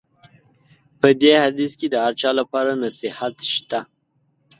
په دې حدیث کې د هر چا لپاره نصیحت شته.